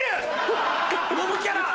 モブキャラ。